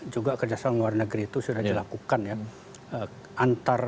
juga kerjasama luar negeri itu sudah dilakukan ya